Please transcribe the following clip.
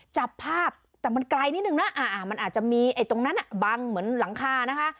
จับภาพแต่มันไกลนิดนึงนะมันอาจจะมีตรงนั้นบังเหมือนหลังคานะคะ